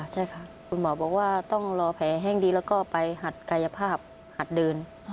ใช่ค่ะคุณหมอบอกว่าต้องรอแผลแห้งดีแล้วก็ไปหัดกายภาพหัดเดิน